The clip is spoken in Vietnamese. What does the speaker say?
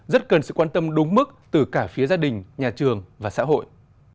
rất cần sự quan tâm đúng mức từ cả phía gia đình nhà trường và xã hội